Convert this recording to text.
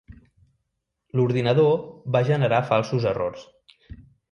L'ordinador va generar falsos errors.